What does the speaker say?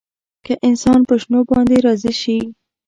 که انسان په شتو باندې راضي شي.